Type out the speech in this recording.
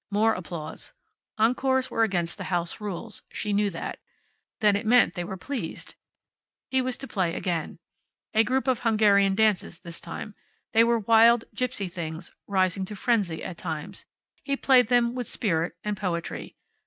More applause. Encores were against the house rules. She knew that. Then it meant they were pleased. He was to play again. A group of Hungarian dances this time. They were wild, gypsy things, rising to frenzy at times. He played them with spirit and poetry.